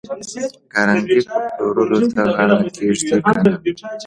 کارنګي به پلورلو ته غاړه کېږدي که نه